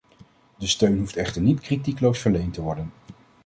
De steun hoeft echter niet kritiekloos verleend te worden.